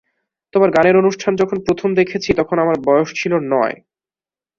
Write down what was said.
তোমার গানের অনুষ্ঠান যখন প্রথম দেখেছি তখন আমার বয়স ছিল নয়।